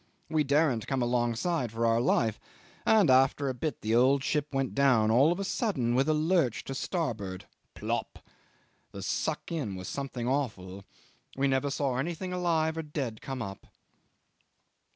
We daren't come alongside for our life; and after a bit the old ship went down all on a sudden with a lurch to starboard plop. The suck in was something awful. We never saw anything alive or dead come up."